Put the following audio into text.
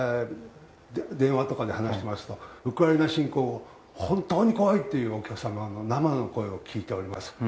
電話とかで話しますとウクライナ侵攻を本当に怖いというお客様の生の声を聞いております。